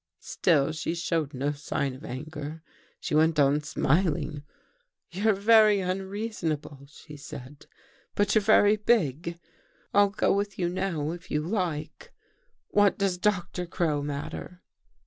" Still she showed no sign of anger. She went on smiling. ' You're very unreasonable,' she said, ' but you're very big. I'll go with you now, if you like. What does Doctor Crow matter?